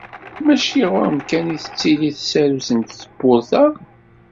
Mačči ɣur-m kan i tettili tsarut n tewwurt-a?